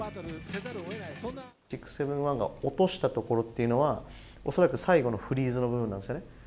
６７１が落としたところっていうのは、恐らく最後のフリーズの部分なんですよね。